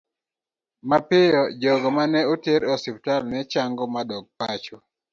Mapiyo, jogo ma ne oter e osiptal ne chango ma dok pacho.